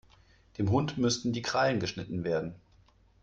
Dem Hund müssten die Krallen geschnitten werden.